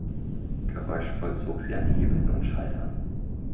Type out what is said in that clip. Geräuschvoll zog sie an Hebeln und Schaltern.